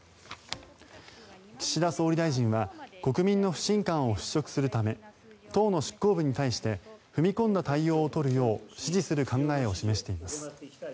岸田総理大臣は国民の不信感を払しょくするため党の執行部に対して踏み込んだ対応を取るよう支持する考えを示しています。